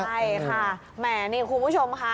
ใช่ค่ะแหมนี่คุณผู้ชมค่ะ